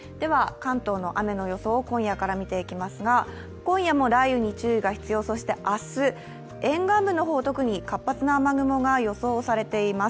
関東の雨の予想を今夜から見ていきますが、今夜も雷雨に注意が必要、そして明日、沿岸部の方、特に活発な雨雲が予想されています。